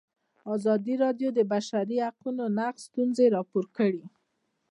ازادي راډیو د د بشري حقونو نقض ستونزې راپور کړي.